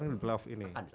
akan di playoff ini